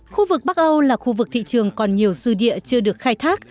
khu vực bắc âu là khu vực thị trường còn nhiều dư địa chưa được khai thác